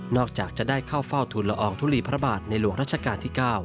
จากจะได้เข้าเฝ้าทุนละอองทุลีพระบาทในหลวงรัชกาลที่๙